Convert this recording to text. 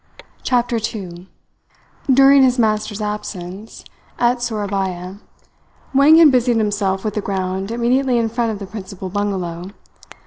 CHAPTER TWO During his master's absence at Sourabaya, Wang had busied himself with the ground immediately in front of the principal bungalow.